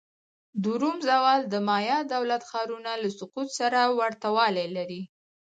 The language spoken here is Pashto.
د روم زوال د مایا دولت ښارونو له سقوط سره ورته والی لري.